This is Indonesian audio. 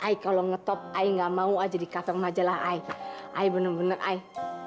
i kalau ngetop i nggak mau aja di kafer majalah i i bener bener i